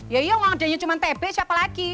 ya ya orang adanya cuma t b siapa lagi